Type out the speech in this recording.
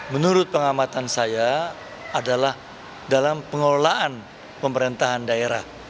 menurut pengamatan saya adalah dalam pengelolaan pemerintahan daerah